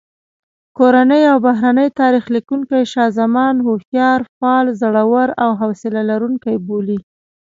کورني او بهرني تاریخ لیکونکي شاه زمان هوښیار، فعال، زړور او حوصله لرونکی بولي.